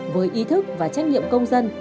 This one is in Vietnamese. với ý thức và trách nhiệm công dân